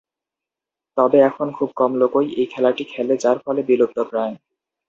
তবে এখন খুব কম লোকই এই খেলাটি খেলে যার ফলেবিলুপ্তপ্রায়।